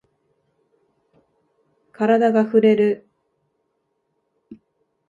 カラダがふれる。